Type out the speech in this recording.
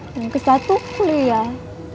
yang ke satu kuliah